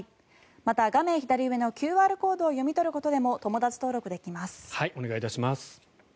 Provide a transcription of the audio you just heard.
また、画面左上のＱＲコードを読み取ることでもお願いいたします。